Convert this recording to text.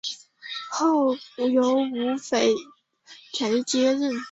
后由吴棐彝接任。